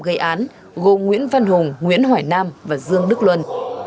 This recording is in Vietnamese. gây án gồm nguyễn văn hùng nguyễn hỏi nam và dương đức luân